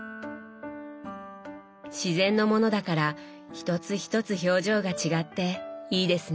自然のものだから一つ一つ表情が違っていいですね。